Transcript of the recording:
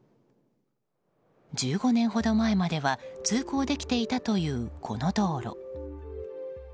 １５年ほど前までは通行できていたという、この道路。